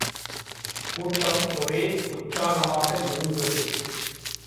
கூட்டம் ஒரே உற்சாகமாக இருந்தது.